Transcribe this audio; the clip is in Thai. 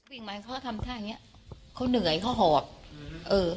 วิ่งมาเขาก็ทำท่าอย่างเนี้ยเขาเหนื่อยเขาหอบเออ